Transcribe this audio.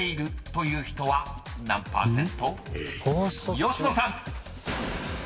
［吉野さん］